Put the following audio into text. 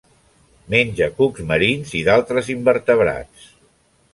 Menja cucs marins i d'altres invertebrats.